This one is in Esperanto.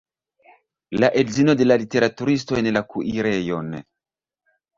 La edzino de literaturisto en la kuirejon!